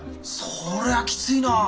そりゃきついなぁ！